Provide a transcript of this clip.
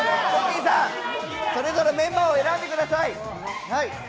さん、それぞれメンバーを選んでください。